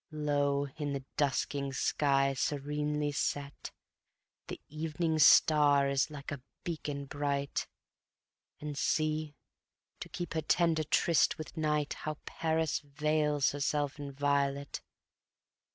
Lo! in the dusking sky, serenely set, The evening star is like a beacon bright. And see! to keep her tender tryst with night How Paris veils herself in violet.